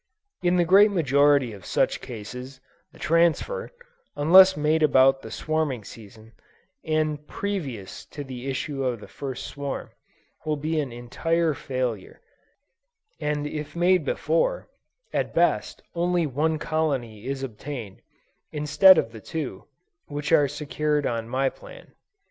In the great majority of such cases, the transfer, unless made about the swarming season, and previous to the issue of the first swarm, will be an entire failure, and if made before, at best only one colony is obtained, instead of the two, which are secured on my plan.